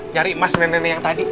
nyari emas nenek nenek yang tadi